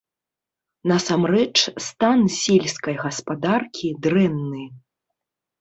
Насамрэч, стан сельскай гаспадаркі дрэнны.